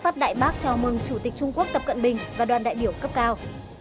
tại bác chào mừng chủ tịch trung quốc tập cận bình và đoàn đại biểu cấp cao